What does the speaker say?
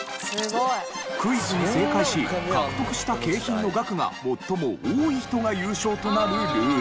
クイズに正解し獲得した景品の額が最も多い人が優勝となるルール。